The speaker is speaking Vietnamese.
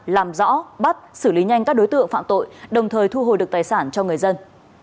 làm rõ bắt xử lý nhanh các đối tượng phạm tội đồng thời thu hồi được tài sản cho người dân